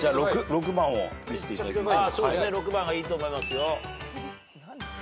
６番がいいと思いますよ。